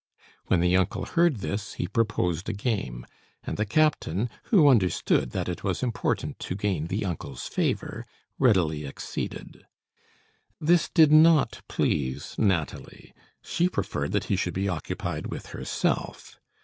When the uncle heard this, he proposed a game; and the captain, who understood that it was important to gain the uncle's favor, readily acceded. This did not please Nathalie. She preferred that he should be occupied with herself.